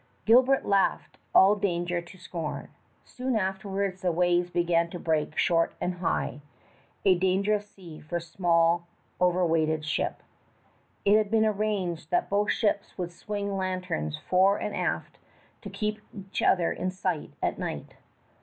Gilbert laughed all danger to scorn. Soon afterwards the waves began to break short and high a dangerous sea for a small, overweighted ship. It had been arranged that both ships should swing lanterns fore and aft to keep each other in sight at night.